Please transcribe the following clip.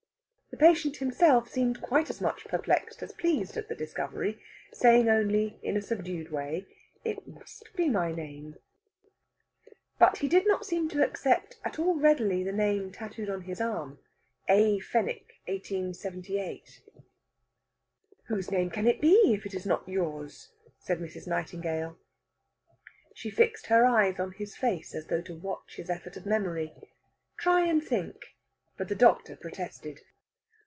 The patient himself seemed quite as much perplexed as pleased at the discovery, saying only, in a subdued way: "It must be my name." But he did not seem to accept at all readily the name tattooed on his arm: "A. Fenwick, 1878." "Whose name can it be if it is not yours?" said Mrs. Nightingale. She fixed her eyes on his face, as though to watch his effort of memory. "Try and think." But the doctor protested.